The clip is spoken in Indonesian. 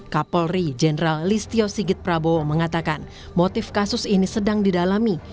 kapolri jenderal listio sigit prabowo mengatakan motif kasus ini sedang didalami